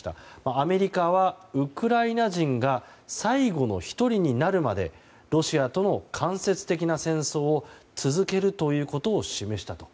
アメリカはウクライナ人が最後の１人になるまでロシアとの間接的な戦争を続けるということを示したと。